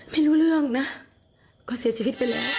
ไม่รู้เรื่องนะเขาเสียชีวิตไปแล้ว